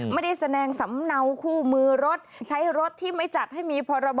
ไม่ได้แสดงสำเนาคู่มือรถใช้รถที่ไม่จัดให้มีพรบ